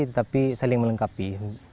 tetapi saling melengkapi